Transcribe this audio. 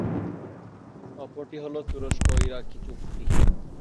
অপরটি হল তুরস্ক-ইরাকি চুক্তি।